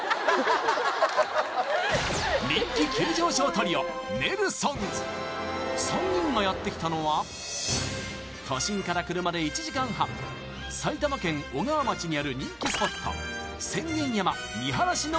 人気急上昇トリオ３人がやってきたのは都心から車で１時間半埼玉県小川町にある人気スポット